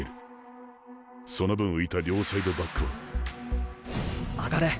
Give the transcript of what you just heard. その分浮いた両サイドバックは。